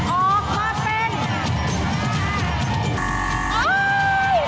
ถูกก้าวถึง